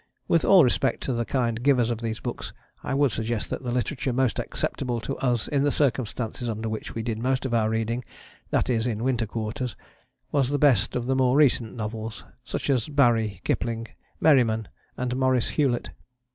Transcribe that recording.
With all respect to the kind givers of these books, I would suggest that the literature most acceptable to us in the circumstances under which we did most of our reading, that is in Winter Quarters, was the best of the more recent novels, such as Barrie, Kipling, Merriman and Maurice Hewlett.